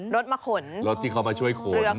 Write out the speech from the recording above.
รถมาขนรถที่เขามาช่วยขน